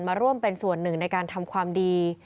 มาร่วมเป็นส่วนหนึ่งในการทำความดี